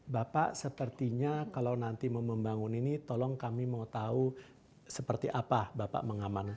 bapak sepertinya kalau nanti mau membangun ini tolong kami mau tahu seperti apa bapak mengamankan